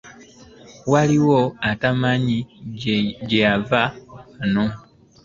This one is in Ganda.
Waliwo atamanyi gye yava wano?